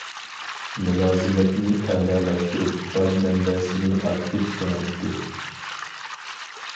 مۇلازىمەتنى ئەلالاشتۇرۇپ، باج مەنبەسىنى ئاكتىپ كېڭەيتتى.